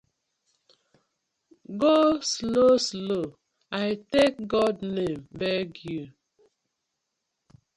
Go slow slow I tak God name beg yu.